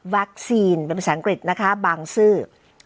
เป็นภาษาอังกฤษนะคะบางซื่อ